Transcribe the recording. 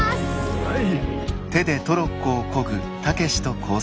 はい。